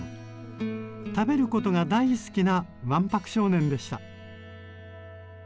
食べることが大好きなわんぱく少年でした。